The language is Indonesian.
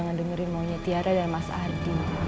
jangan dengerin maunya tiara dan mas ardi